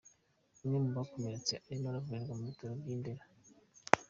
Umwe mu bakomeretse arimo aravurirwa mu bitaro by’i Ndera